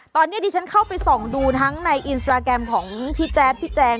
ตอนนี้ดิฉันเข้าไปส่องดูทั้งในจากพี่แจ๊ดพี่แจง